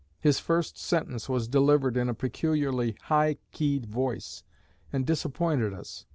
His first sentence was delivered in a peculiarly high keyed voice, and disappointed us.